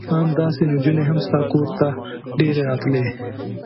ان داسې نجونې هم ستا کور ته ډېرې راتلې.